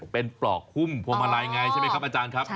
เป็นปลอกหุ้มพวงมาลัยไงใช่ไหมครับอาจารย์ครับ